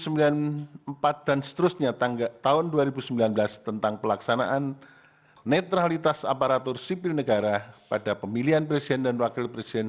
seterusnya tahun dua ribu sembilan belas tentang pelaksanaan netralitas aparatur sipil negara pada pemilihan presiden dan wakil presiden